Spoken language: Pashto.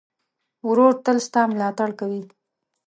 ورور تل ستا ملاتړ کوي.